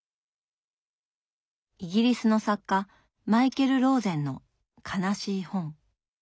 イギリスの作家マイケル・ローゼンの「悲しい本」。